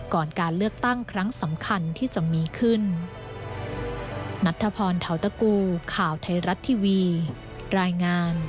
ก่อนการเลือกตั้งครั้งสำคัญที่จะมีขึ้น